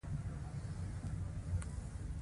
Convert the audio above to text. ټول ماشومان د ښوونکو سره یو امانت دی.